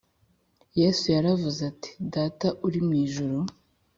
Yesu yaravuze ati “Data uri mu ijuru